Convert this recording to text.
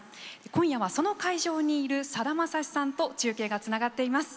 今夜は、その会場にいるさだまさしさんと中継がつながっています。